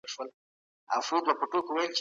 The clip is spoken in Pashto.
ایا مسلکي بڼوال ممیز پروسس کوي؟